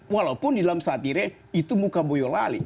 walaupun di dalam satire itu muka boyolali